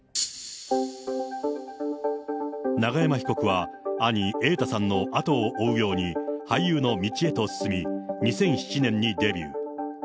永山被告は、兄、瑛太さんの後を追うように俳優の道へと進み、２００７年にデビュー。